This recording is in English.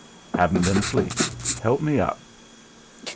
"Haven't been asleep. Help me up."